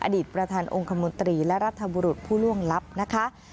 ประธานองค์คมนตรีและรัฐบุรุษผู้ล่วงลับนะคะ